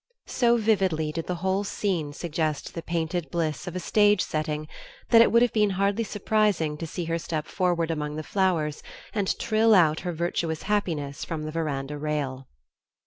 So vividly did the whole scene suggest the painted bliss of a stage setting, that it would have been hardly surprising to see her step forward among the flowers and trill out her virtuous happiness from the veranda rail.